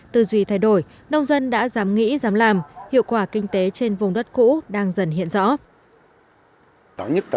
từ duy thay đổi nông dân đã dám nghĩ dám làm hiệu quả kinh tế trên vùng đất cũ đang dần hiện rõ